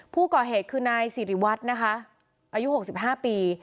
ผู้ก่อเหตุคือนายสิริวัตรนะคะอายุ๖๕ปี